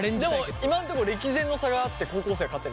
今んとこ歴然の差があって高校生が勝ってる。